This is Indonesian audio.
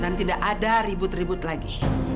dan tidak ada ribut ribut lagi